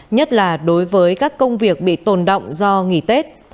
nhất là đối với các công việc bị tồn động do nghỉ tết